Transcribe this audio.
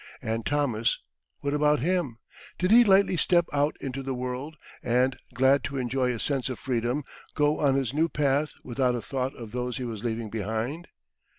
And Thomas what about him? Did he lightly step out into the world, and, glad to enjoy a sense of freedom, go on his new path without a thought of those he was leaving behind?